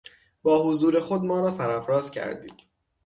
با حضور خود ما را سرافراز کردید.